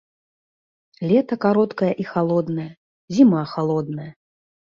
Лета кароткае і халоднае, зіма халодная.